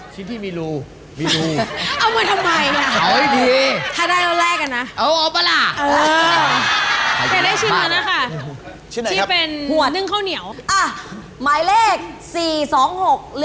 ชิ้นที่มีรู